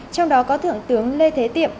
trong đó có thượng tướng lê thế tiệm